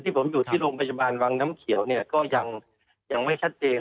ที่ผมอยู่ที่โรงพยาบาลวงค์น้ำเขียวก็ยังไม่ชัดเอง